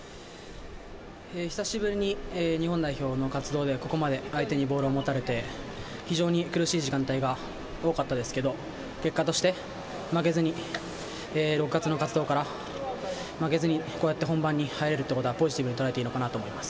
久しぶりに日本代表の活動でここまで相手にボールを持たれて、苦しい時間帯が多かったんですけど、結果として負けずに、６月の活動から本番に入れるということはポジティブにとらえていいと思います。